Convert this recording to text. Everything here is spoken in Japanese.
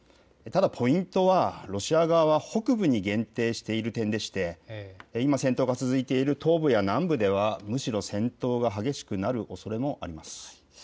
ただポイントはロシア側は北部に限定している点で今、戦闘が続いている東部や南部ではむしろ戦闘が激しくなるおそれもあります。